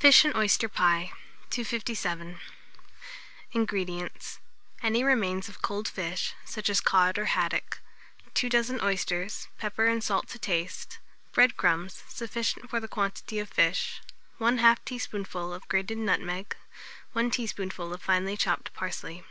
FISH AND OYSTER PIE. 257. INGREDIENTS. Any remains of cold fish, such as cod or haddock; 2 dozen oysters, pepper and salt to taste, bread crumbs sufficient for the quantity of fish; 1/2 teaspoonful of grated nutmeg, 1 teaspoonful of finely chopped parsley.